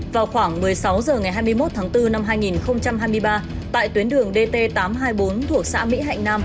vào khoảng một mươi sáu h ngày hai mươi một tháng bốn năm hai nghìn hai mươi ba tại tuyến đường dt tám trăm hai mươi bốn thuộc xã mỹ hạnh nam